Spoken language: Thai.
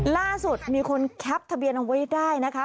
ล่าสุดมีคนแคปทะเบียนเอาไว้ได้นะคะ